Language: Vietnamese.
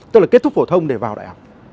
tức là kết thúc phổ thông để vào đại học